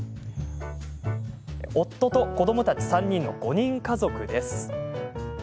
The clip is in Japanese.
夫と子どもたち３人の５人家族です。